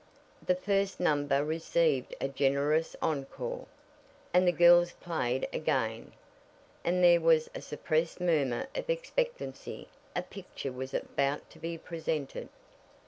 The first number received a generous encore, and the girls played again. Then there was a suppressed murmur of expectancy a picture was about to be presented.